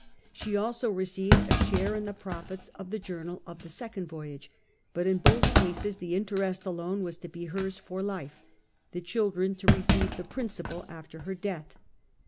She also received a share in the profits of the Journal of the Second Voyage, but in both cases the interest alone was to be hers for life, the children to receive the princi})al after her death.